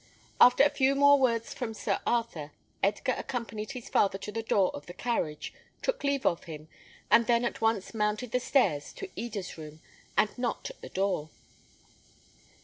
After a few more words from Sir Arthur, Edgar accompanied his father to the door of the carriage, took leave of him, and then at once mounted the stairs to Eda's room, and knocked at the door.